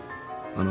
あの？